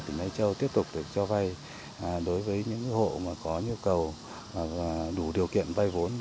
tỉnh lai châu tiếp tục để cho vay đối với những hộ có nhu cầu đủ điều kiện vay vốn